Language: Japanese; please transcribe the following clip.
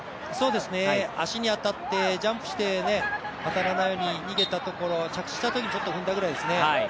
足に当たって当たらないようにジャンプして逃げたところを着地したときに、ちょっと踏んだくらいですね。